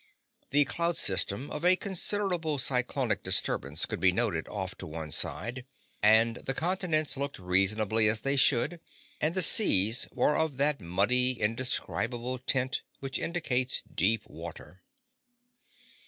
The cloud system of a considerable cyclonic disturbance could be noted off at one side, and the continents looked reasonably as they should, and the seas were of that muddy, indescribable tint which indicates deep water.